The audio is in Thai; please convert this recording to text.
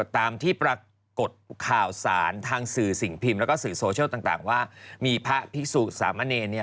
ตามที่ปรากฏข่าวสารทางสื่อสิ่งพิมพ์แล้วก็สื่อโซเชียลต่างว่ามีพระพิสุสามะเนรเนี่ย